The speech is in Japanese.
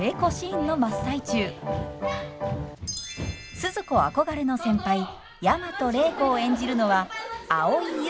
スズ子憧れの先輩大和礼子を演じるのは蒼井優さん。